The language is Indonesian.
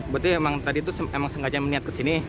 berarti emang tadi itu sengaja meniat ke sini